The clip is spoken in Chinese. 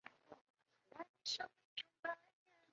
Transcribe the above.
新翼的管理及营运是由万达镇有限公司负责。